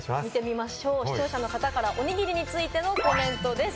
視聴者の方からおにぎりについてのコメントです。